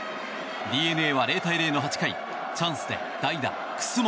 ＤｅＮＡは０対０の８回チャンスで代打、楠本。